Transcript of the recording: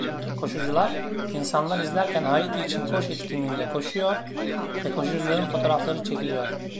Koşucular, insanlar izlerken Haiti için Koş etkinliğinde koşuyor ve koşucuların fotoğrafları çekiliyor.